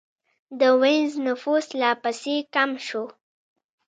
د وینز نفوس لا پسې کم شو.